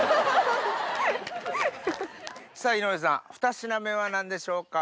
さぁ井上さんふた品目は何でしょうか？